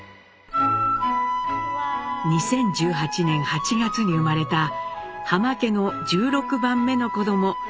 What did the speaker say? ２０１８年８月に生まれた「浜家」の１６番目の子ども